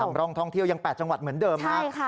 ร่องท่องเที่ยวยัง๘จังหวัดเหมือนเดิมนะครับ